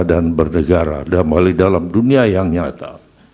dan bernegara dan balik dalam dunia yang nyata